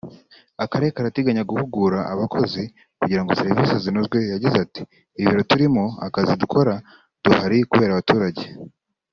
Akarere karateganya guhugura abakozi kugira ngo serivise zinozweYagize ati “Ibiro turimo akazi dukora duhari kubera abaturage